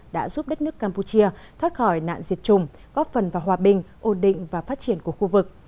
đã giúp đất nước campuchia thoát khỏi nạn diệt chủng góp phần vào hòa bình ổn định và phát triển của khu vực